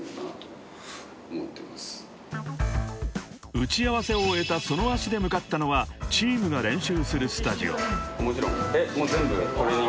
［打ち合わせを終えたその足で向かったのはチームが練習するスタジオ］